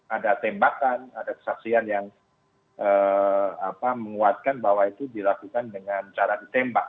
ada tembakan ada kesaksian yang menguatkan bahwa itu dilakukan dengan cara ditembak